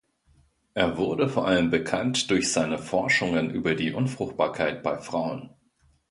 Er wurde vor allem bekannt durch seine Forschungen über die Unfruchtbarkeit bei Frauen.